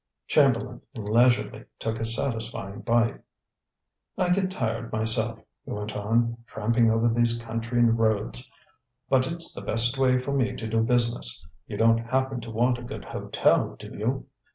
Chamberlain leisurely took a satisfying bite. "I get tired myself," he went on, "tramping over these country roads. But it's the best way for me to do business. You don't happen to want a good hotel, do you?"